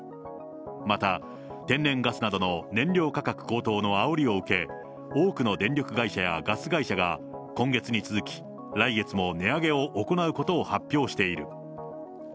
また、天然ガスなどの燃料価格高騰のあおりを受け、多くの電力会社やガス会社が、今月に続き、来月も値上げを行うことを発表している。